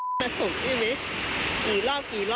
คนพ้องเขาให้อยู่ที่นี่